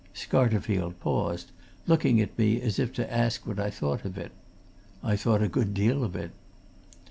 Scarterfield paused, looking at me as if to ask what I thought of it. I thought a good deal of it.